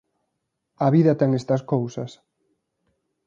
A vida ten estas cousas.